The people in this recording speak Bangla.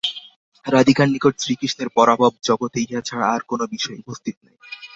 রাধিকার নিকট শ্রীকৃষ্ণের পরাভব, জগতে ইহা ছাড়া আর কোনো বিষয় উপস্থিত নাই।